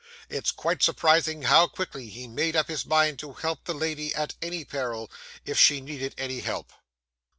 It's quite surprising how quickly he made up his mind to help the lady at any peril, if she needed any help.